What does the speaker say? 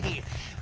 あ。